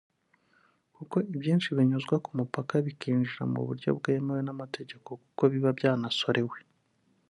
kuko ibyinshi binyuzwa ku mupaka bikinjira mu buryo bwemewe n’amategeko kuko biba byanasorewe